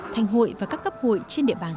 thành hội và các cấp hội trên địa bàn